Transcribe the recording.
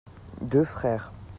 Deux frères.